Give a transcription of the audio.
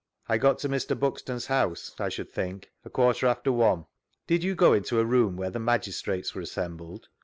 I got to Mr. Buxton's house, I should think, a quarter after one. Did you go into a room th^te where the magis trates were assembled?